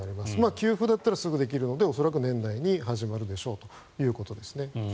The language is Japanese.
給付だったらすぐできるので恐らく年内に始まるでしょうということですね。